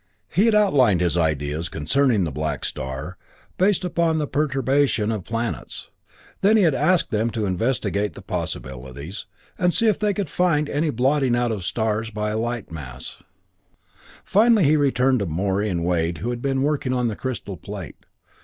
He had outlined his ideas concerning the black star, based upon the perturbation of the planets; then he had asked them to investigate the possibilities, and see if they could find any blotting out of stars by a lightless mass. Finally he returned to Morey and Wade who had been working on the crystal plate.